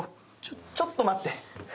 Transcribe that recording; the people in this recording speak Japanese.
ちょっと待って。